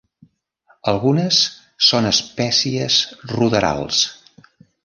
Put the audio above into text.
Algunes són espècies ruderals.